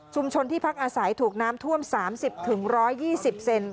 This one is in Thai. ชุมชนที่พักอาศัยถูกน้ำท่วม๓๐๑๒๐เซนติเซนติเซน